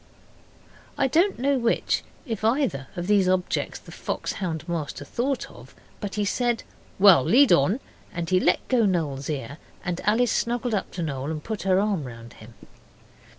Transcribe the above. I don't know which, if either, of these objects the fox hound master thought of, but he said 'Well, lead on,' and he let go Noel's ear and Alice snuggled up to Noel and put her arm round him.